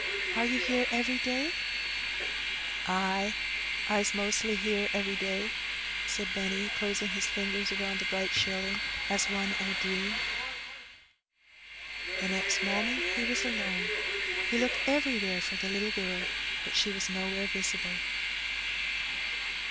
Are you here every day ?'* ''Ay, Ps mostly here every day,*' said Benny, closing his fingers around the bright shilling as one in a dream. The next moment he was alone. He looked everywhere for the little girl, but she was nowhere visible.